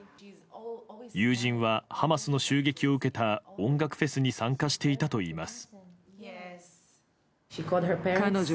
友人はハマスの襲撃を受けた音楽フェスに参加していたといいます。